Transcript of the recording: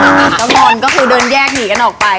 เจ้าบอลก็คือเดินแยกหนีกันออกไป